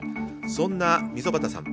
そんな溝端さん